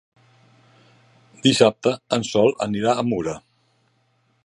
Dissabte en Sol anirà a Mura.